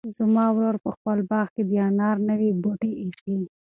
زما ورور په خپل باغ کې د انار نوي بوټي ایښي.